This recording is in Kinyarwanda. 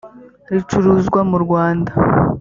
ricuruzwa mu rwanda.